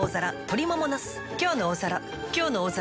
「きょうの大皿」